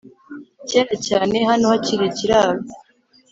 kera cyane, hano hari ikiraro